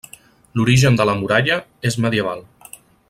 L'origen de la muralla és medieval.